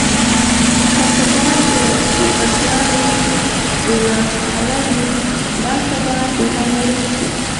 که ثبات د ټوپکیانو د لاس اله وي دا ثبات دې هم ورک شي.